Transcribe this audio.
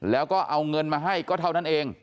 แล้วก็เอาเงินมาให้ก็เท่านั้นเอง